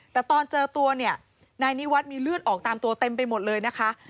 แต่ตอนเจอตัวเนี่ยนายนิวัฒน์มีเลือดออกตามตัวเต็มไปหมดเลยนะคะ